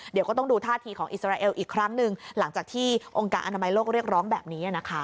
เดี๋ยวก็ต้องดูท่าทีของอิสราเอลอีกครั้งหนึ่งหลังจากที่องค์การอนามัยโลกเรียกร้องแบบนี้นะคะ